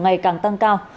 ngày càng tăng cao